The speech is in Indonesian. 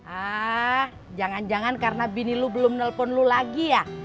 ah jangan jangan karena bini lu belum nelpon lu lagi ya